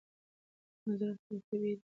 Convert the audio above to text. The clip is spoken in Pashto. د نظر اختلاف طبیعي دی.